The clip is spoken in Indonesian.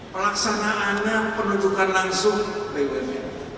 pelaksanaannya penunjukkan langsung bbm